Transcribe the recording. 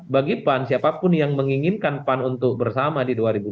bagi pan siapapun yang menginginkan pan untuk bersama di dua ribu dua puluh